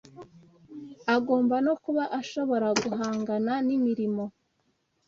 agomba no kuba ashobora guhangana n'imirimo